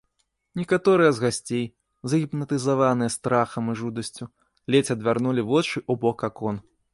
Некаторыя з гасцей, загіпнатызаваныя страхам і жудасцю, ледзь адвярнулі вочы ў бок акон.